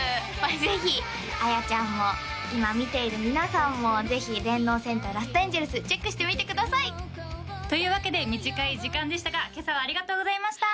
ぜひ彩ちゃんも今見ている皆さんもぜひ「電脳戦隊ラストエンジェルス」チェックしてみてくださいというわけで短い時間でしたが今朝はありがとうございました